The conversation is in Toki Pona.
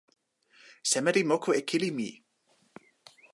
seme li moku e kili mi?